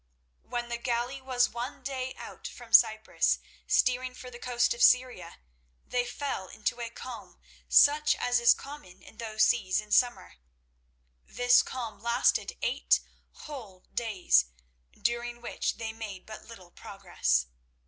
When the galley was one day out from Cyprus steering for the coast of Syria, they fell into a calm such as is common in those seas in summer. This calm lasted eight whole days, during which they made but little progress.